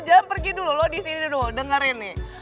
jangan pergi dulu lo disini dulu dengerin nih